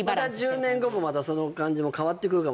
１０年後もまたその感じも変わってくるかもしれない